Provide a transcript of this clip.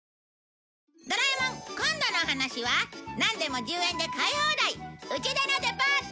『ドラえもん』今度のお話はなんでも１０円で買い放題うちでのデパート